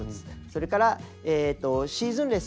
それからシーズンレス。